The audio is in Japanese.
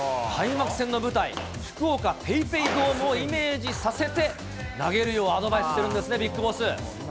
開幕戦の舞台、福岡ペイペイドームをイメージさせて投げるようアドバイスしてるんですね、ビッグボス。